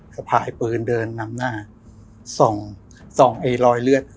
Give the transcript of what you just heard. สะพายปืนเดินนำหน้าส่องส่องไอ้รอยเลือด